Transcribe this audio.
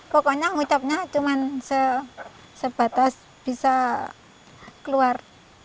pokoknya ngucapnya cuma sebatas bisa keluar